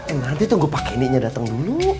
eh nanti tunggu pak keninya dateng dulu